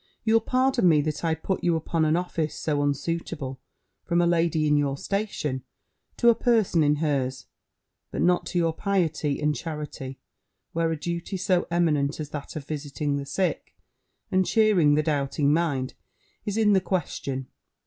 You'll pardon me that I put you upon an office so unsuitable from a lady in your station, to a person in hers; but not to your piety and charity, where a duty so eminent as that of visiting the sick, and cheering the doubting mind, is in the question.